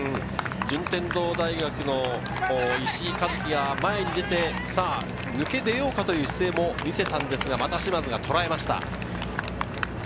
順天堂大学の石井一希が前に出て、抜け出ようかという姿勢も見せたのですが、また嶋津がとらえました。